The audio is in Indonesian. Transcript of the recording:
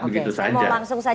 oke saya mau langsung saja